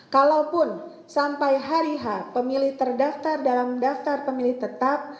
kalaupun sampai hari h pemilih terdaftar dalam daftar pemilih tetap